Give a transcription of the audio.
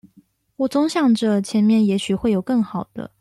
我總想著前面也許會有更好的